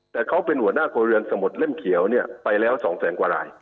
แต่เขาเป็นหัวหน้าครัวเรือนสมุดเล่มเขียวเนี่ยไปแล้ว๒แสนกว่าราย